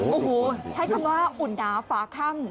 โอ้โหใช้คำว่าอุ่นดาฟ้าข้าง